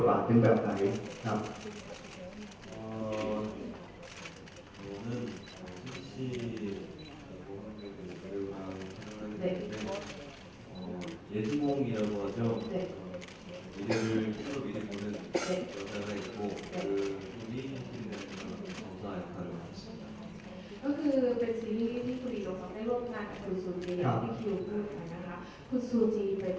ต้องเป็นคนประมาณที่ถอยช่วยแก้อันดับ